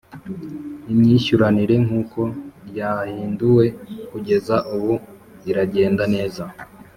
imyishyuranire nk’ uko ryahinduwe kugeza ubu iragenda neza